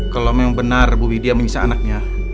kalau memang benar bu widya mengisah anaknya